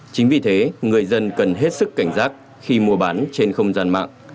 chính vì thế người dân cần hết sức cảnh giác khi mua bán trên không gian mạng